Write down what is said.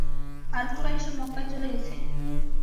আর কুরাইশরা মক্কায় চলে গেছে।